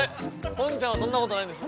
ポンちゃんはそんなことないんです。